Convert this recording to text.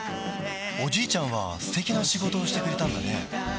おじいちゃんは素敵な仕事をしてくれたんだね